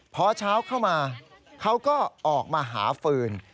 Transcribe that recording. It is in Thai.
พอเช้าเข้ามาเขาก็ออกมาหาฟืน